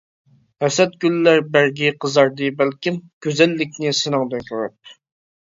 ھەسەت گۈللەر بەرگى قىزاردى بەلكىم، گۈزەللىكنى سېنىڭدىن كۆرۈپ.